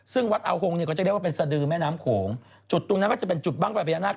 ซึ่งวัดอาหงนี้เป็นซะดือแม่น้ำโขงจุดตรงนั้นก็จะเป็นจุดบ้างไฟพยานาค